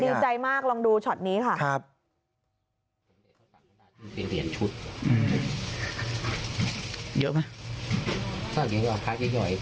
ดีใจมากลองดูช็อตนี้ค่ะ